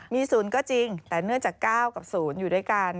มี๐ก็จริงแต่เนื่องจาก๙กับ๐อยู่ด้วยกัน